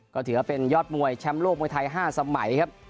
ก็ถือว่าเป็นยอดมวยแชมป์โลกมวยไทย๕สมัยครับ